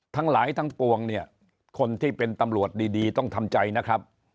ทั้งหลายทั้งปวงเนี่ยคนที่เป็นตำรวจดีต้องทำใจนะครับ